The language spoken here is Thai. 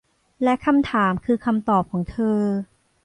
และคำถามคือคำตอบของเธอ